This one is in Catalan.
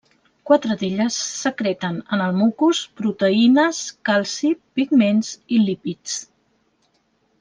Quatre d'elles secreten en el mucus proteïnes, calci, pigments i lípids.